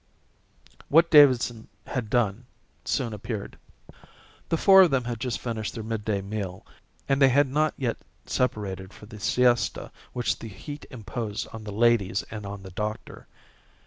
What Davidson had done soon appeared. The four of them had just finished their midday meal, and they had not yet separated for the siesta which the heat imposed on the ladies and on the doctor.